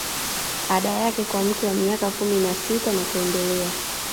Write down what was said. Ada yake kwa mtu wa miaka kumi na sita na kuendelea